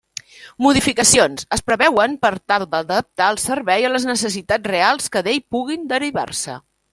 Modificacions: es preveuen per tal d'adaptar el servei a les necessitats reals que d'ell puguin derivar-se.